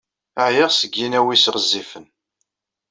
Ɛyiɣ seg yinaw-is ɣezzifen.